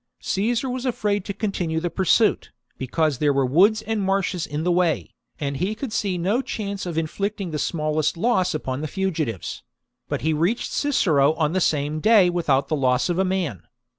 Caesar was afraid to continue the pursuit, because there were woods and marshes in the way, and he could see no chance of inflicting the smallest loss upon the fugitives ; but he reached Cicero on the same day without the loss of a man.